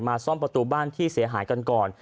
ซ่อมประตูบ้านที่เสียหายกันก่อน